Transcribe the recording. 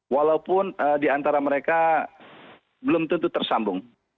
walaupun di antara mereka belum tentu tersambung